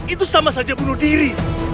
itu sama saja bunuh diri